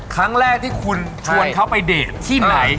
ครั้งแรกที่คุณชวนเขาไปเดทที่ไหน